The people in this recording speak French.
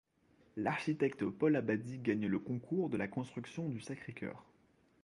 L'architecte Paul Abadie gagne le concours de la construction du Sacré-Cœur.